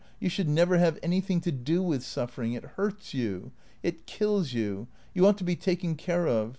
You should never have anything to do with suffering. It hurts you. It kills you. You ought to be taken care of.